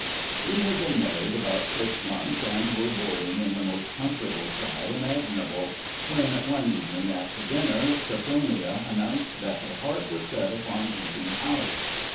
We had been married about six months, and were boarding in the most comfortable style imaginable, when one evening, after dinner, Sophronia announced that her heart was set upon keeping house.